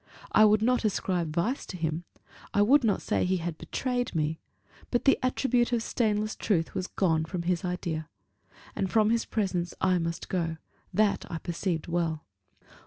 I would not ascribe vice to him; I would not say he had betrayed me: but the attribute of stainless truth was gone from his idea; and from his presence I must go; that I perceived well.